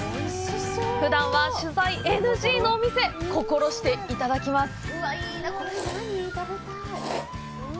ふだんは取材ＮＧのお店、心していただきます！